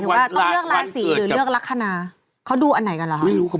เขาดูอันไหนกันเหรอ